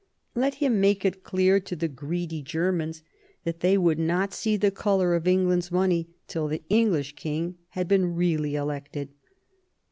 Let him make it clear to the greedy Germans that they would not see the colour of England's money till the English king had been really elected.